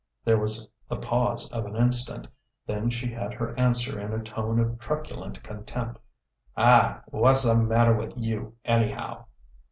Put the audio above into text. There was the pause of an instant; then she had her answer in a tone of truculent contempt: "Ah, wha's the matter with you, anyhow?"